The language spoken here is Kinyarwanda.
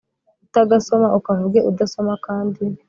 utagasoma, ukavuge udasoma kandi